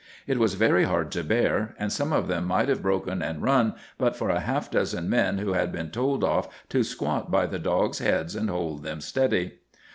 It was very hard to bear, and some of them might have broken and run but for a half dozen men who had been told off to squat by the dogs' heads and hold them steady.